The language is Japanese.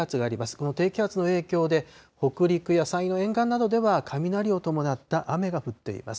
この低気圧の影響で、北陸や山陰の沿岸などでは雷を伴った雨が降っています。